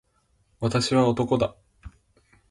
私は男だ。